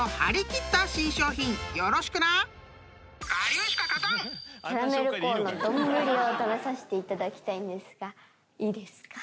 キャラメルコーンの丼を食べさせていただきたいんですがいいですか？